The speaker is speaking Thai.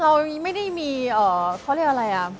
เราไม่ได้มีเขาเรียกอะไรอ่ะ